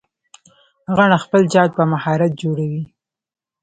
غڼه خپل جال په مهارت جوړوي